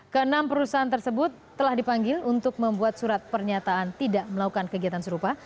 keenam perusahaan tersebut telah dipanggil untuk membuat surat pernyataan tidak melakukan kegiatan serupa